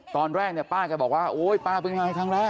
ตอนแรกเนี่ยป้าก็บอกว่าโอ๊ยป้าเป็นใครครั้งแรก